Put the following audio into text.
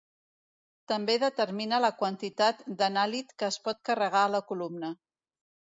També determina la quantitat d'anàlit que es pot carregar a la columna.